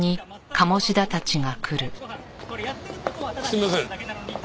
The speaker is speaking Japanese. すいません。